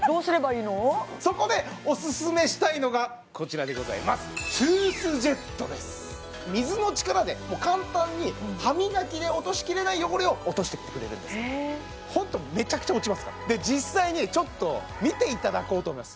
そこでおすすめしたいのがこちらでございます水の力で簡単に歯磨きで落としきれない汚れを落としていってくれるんですホントめちゃくちゃ落ちますから実際にちょっと見ていただこうと思います